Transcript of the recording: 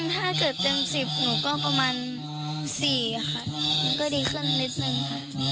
ถ้าเกิดเต็ม๑๐หนูก็ประมาณ๔ค่ะก็ดีขึ้นนิดนึงค่ะ